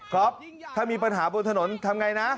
ก๊อฟถ้ามีปัญหาบนถนนทำอย่างไรนะ